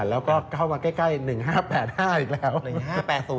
แล้วก็เข้ามาใกล้๑๕๘๕อีกแล้ว